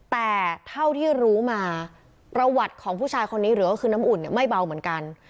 แต่เท่าที่รู้มาประวัติของผู้ชายคนนี้หรือก็คือน้ำอุ่นเนี่ยไม่เบาเหมือนกัน